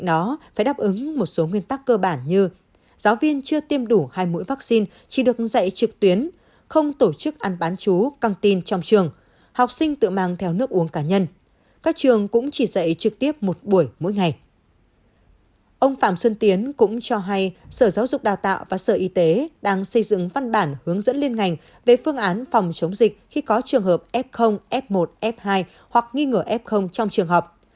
ông phạm xuân tiến cũng cho hay sở giáo dục đào tạo và sở y tế đang xây dựng văn bản hướng dẫn liên ngành về phương án phòng chống dịch khi có trường hợp f f một f hai hoặc nghi ngờ f trong trường học